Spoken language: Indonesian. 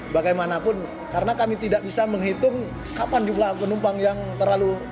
bagaimanapun karena kami tidak bisa menghitung kapan jumlah penumpang yang terlalu